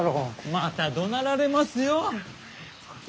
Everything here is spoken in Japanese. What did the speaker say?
またどなられますよ？